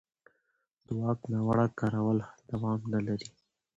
د واک ناوړه کارول دوام نه لري